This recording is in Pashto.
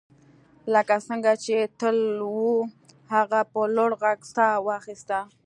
لکه څنګه چې تل وو هغه په لوړ غږ ساه واخیسته